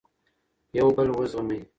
یو بل وزغمئ.